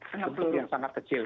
penyempel yang sangat kecil